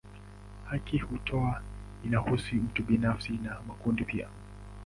Haki hiyo inahusu mtu binafsi na makundi pia.